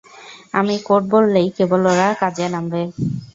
আমি কোড বললেই কেবল ওরা কাজে নামবে।